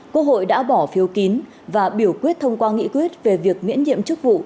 quốc hội đã bỏ phiếu kín và biểu quyết thông qua nghị quyết về việc miễn nhiệm chức vụ